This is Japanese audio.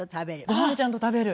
ご飯ちゃんと食べる。